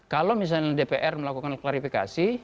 kalau misalnya dpr melakukan klarifikasi